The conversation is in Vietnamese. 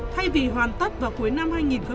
thay vì hoàn tất vào cuối năm hai nghìn hai mươi